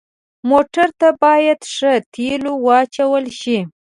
موټر ته باید ښه تیلو واچول شي.